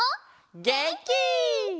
げんき！